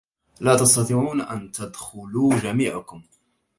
لا تستطيعون أن تدخلوا جميعكم.